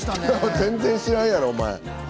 全然知らんやろ、お前。